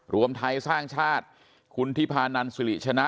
รวมไทยสร้างชาติคุณทิพานันสิริชนะ